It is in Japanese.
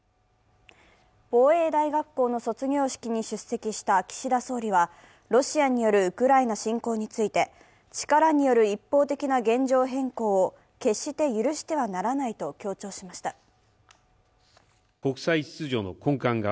防衛大学校の卒業式に出席した岸田総理は、ロシアによるウクライナ侵攻について、力による一方的な現状変更を決して許してはならないと強調しました。